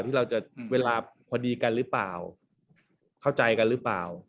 ที่เราจะเวลาพอดีกันหรือเปล่าเข้าใจกันหรือเปล่า